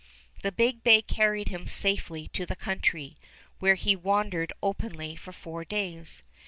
The big bay carried him safely to the country, where he wandered openly for four days.